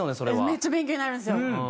めっちゃ勉強になるんですよ。